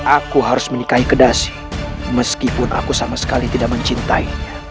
aku harus menikahi kedas meskipun aku sama sekali tidak mencintai